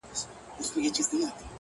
o هغې ويل اور؛